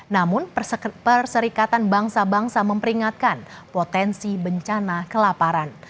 namun perserikatan bangsa bangsa memperingatkan potensi bencana kelaparan